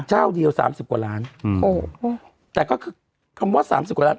เจ้าเดียว๓๐กว่าล้านแต่ก็คือคำว่า๓๐กว่าล้าน